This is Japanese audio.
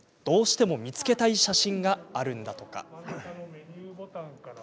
どうしても見つけたい写真があるんだとか。